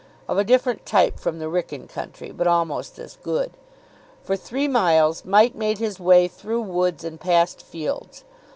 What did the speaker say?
Of a different type from the Wrykyn country, but almost as good. For three miles Mike made his way through woods and past fields.